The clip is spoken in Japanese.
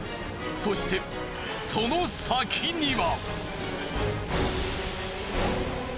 そしてその先には。